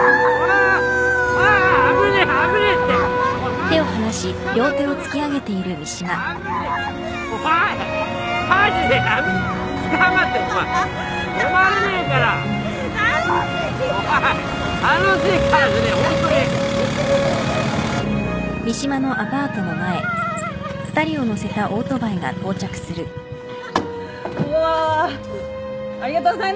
ありがとうございます！